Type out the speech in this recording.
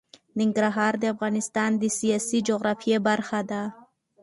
ننګرهار د افغانستان د سیاسي جغرافیه برخه ده.